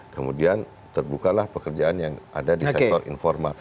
kemudian terbukalah pekerjaan yang ada di sektor informal